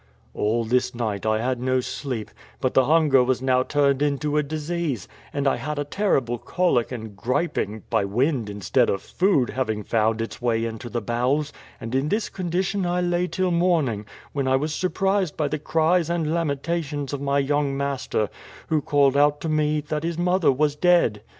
"All this night I had no sleep; but the hunger was now turned into a disease; and I had a terrible colic and griping, by wind instead of food having found its way into the bowels; and in this condition I lay till morning, when I was surprised by the cries and lamentations of my young master, who called out to me that his mother was dead.